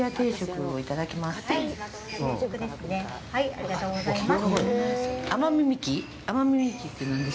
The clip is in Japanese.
ありがとうございます。